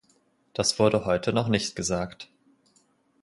Das wurde heute noch nicht gesagt.